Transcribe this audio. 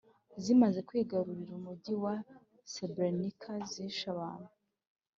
zimaze kwigarurira umujyi wa srebrenica zishe abantu